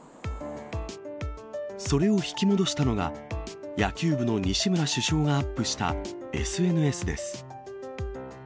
それを引き戻したのが、野球部の西村主将がアップしたＳＮＳです。